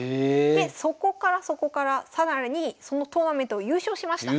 でそこからそこから更にそのトーナメントを優勝しました。